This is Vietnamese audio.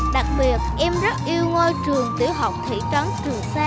đặc biệt em rất yêu ngôi trường tiểu học thị trấn trường sa